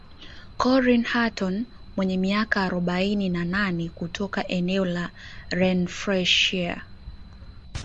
Corinne Hutton mwenye miaka arobaini na nane kutoka eneo la Renfrewshire